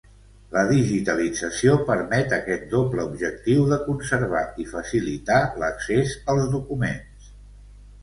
La digitalització permet aquest doble objectiu de conservar i facilitar l’accés als documents.